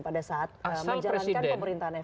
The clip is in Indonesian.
pada saat menjalankan pemerintahan fkm